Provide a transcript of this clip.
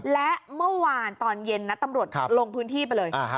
และเมื่อวานตอนเย็นนะตำรวจลงพื้นที่ไปเลย